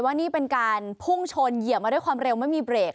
ว่านี่เป็นการพุ่งชนเหยียบมาด้วยความเร็วไม่มีเบรก